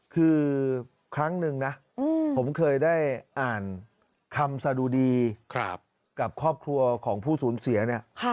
คือครั้งหนึ่งนะผมเคยได้อ่านคำสะดุดีกับครอบครัวของผู้สูญเสียเนี่ย